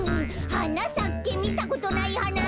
「はなさけみたことないはな」